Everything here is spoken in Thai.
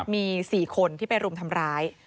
มี๔คนที่ไปรุมทำร้าย